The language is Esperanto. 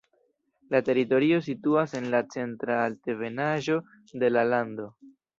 La teritorio situas en la centra altebenaĵo de la lando.